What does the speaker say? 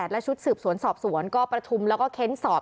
และชุดสืบสวนสอบสวนก็ประชุมแล้วก็เค้นสอบ